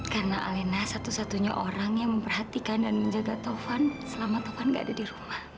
karena alena satu satunya orang yang memperhatikan dan menjaga taufan selama taufan gak ada di rumah